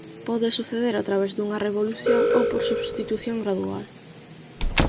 Pode suceder a través dunha revolución ou por substitución gradual.